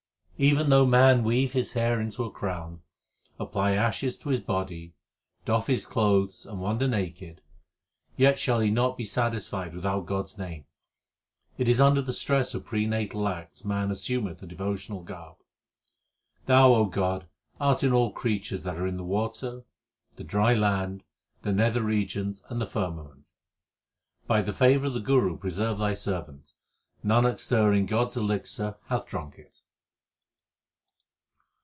Even though man weave his hair into a crown, apply ashes to his body, doff his clothes, and wander naked, Yet shall he be not satisfied without God s name ; it is under the stress of prenatal acts man assumeth a devotional garb. Thou, O God, art in all creatures that are in the water, the dry land, the nether regions, and the firmament. By the favour of the Guru preserve Thy servant ; Nanak stirring God s elixir hath drunk it.